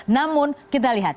namun kita lihat